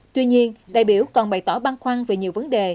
tuy nhiên đại biểu còn bày tỏ băn khoăn về nhiều vấn đề